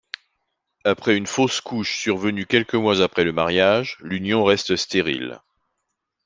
Après une fausse-couche survenue quelques mois après le mariage, l'union reste stérile.